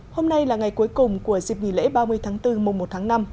hôm nay là ngày cuối cùng của dịp nghỉ lễ ba mươi tháng bốn mùa một tháng năm